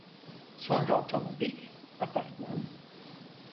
Sonra otomobil, apartman…